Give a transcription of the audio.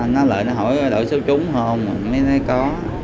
nó lời nó hỏi đổi số trúng không mình mới nói có